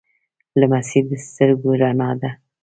لمسی د سترګو رڼا ده.